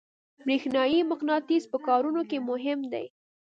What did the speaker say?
برېښنایي مقناطیس په کارونو کې مهم دی.